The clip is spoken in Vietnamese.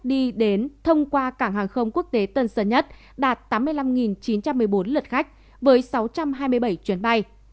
đi đến thông qua cảng hàng không quốc tế tân sơn nhất đạt tám mươi năm chín trăm một mươi bốn lượt khách với sáu trăm hai mươi bảy chuyến bay